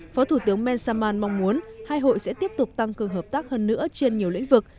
phó thủ tướng mensaman mong muốn hai hội sẽ tiếp tục tăng cường hợp tác hơn nữa trên nhiều lĩnh vực